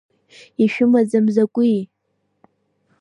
Ишәымаӡам закәи?!